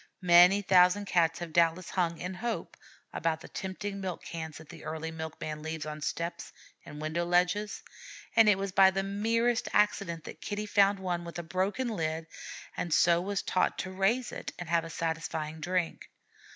Many thousand Cats have doubtless hung, in hope, about the tempting milk cans that the early milk man leaves on steps and window ledges, and it was by the merest accident that Kitty found one with a broken lid, and so was taught to raise it and have a satisfying drink.